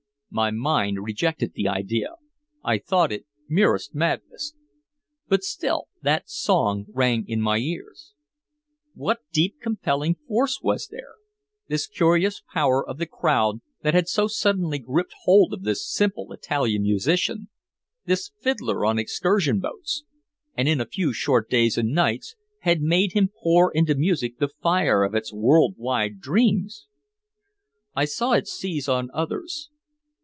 My mind rejected the idea, I thought it merest madness. But still that song rang in my ears. What deep compelling force was here this curious power of the crowd that had so suddenly gripped hold of this simple Italian musician, this fiddler on excursion boats, and in a few short days and nights had made him pour into music the fire of its world wide dreams? I saw it seize on others.